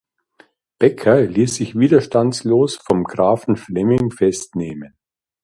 Becker ließ sich widerstandslos vom Grafen Flemming festnehmen.